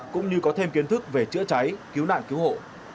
cũng như có thêm kiến thức về chữa cháy cứu nạn cứu hộ